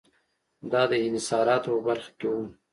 دا د انحصاراتو په برخه کې و.